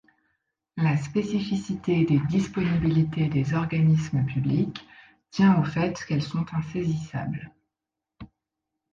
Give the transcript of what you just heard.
La spécificité des disponibilités des organismes publics tient au fait qu'elles sont insaisissables.